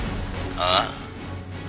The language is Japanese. ああ。